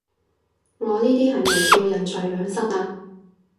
我呢啲係咪叫人財兩失啊？